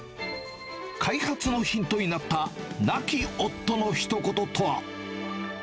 開発のヒントになった亡き夫のひと言とは。